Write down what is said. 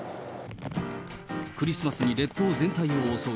クリスマスに列島全体を襲う